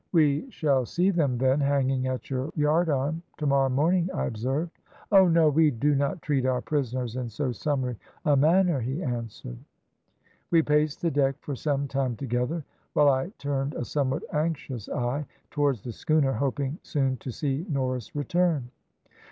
"`We shall see them, then, hanging at your yardarm tomorrow morning,' I observed. "`Oh no! we do not treat our prisoners in so summary a manner,' he answered. "We paced the deck for some time together, while I turned a somewhat anxious eye towards the schooner, hoping soon to see Norris return.